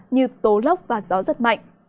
như tố lốc và gió rất mạnh